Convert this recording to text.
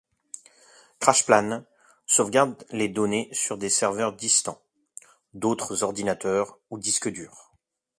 CrashPlan sauvegarde les données sur des serveurs distants, d'autres ordinateurs ou disques durs.